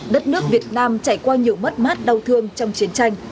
đất nước việt nam trải qua nhiều mất mát đau thương trong chiến tranh